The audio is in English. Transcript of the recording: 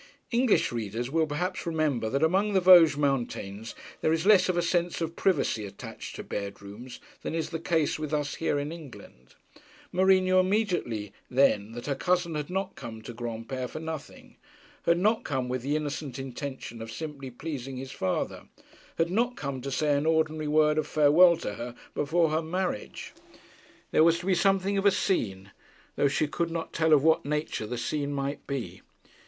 English readers will perhaps remember that among the Vosges mountains there is less of a sense of privacy attached to bedrooms than is the case with us here in England. Marie knew immediately then that her cousin had not come to Granpere for nothing, had not come with the innocent intention of simply pleasing his father, had not come to say an ordinary word of farewell to her before her marriage. There was to be something of a scene, though she could not tell of what nature the scene might be.